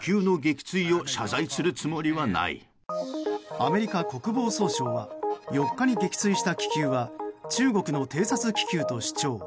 アメリカ国防総省は４日に撃墜した気球は中国の偵察気球と主張。